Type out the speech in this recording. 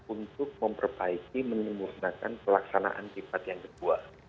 untuk memperbaiki menimbulkan pelaksanaan debat yang kedua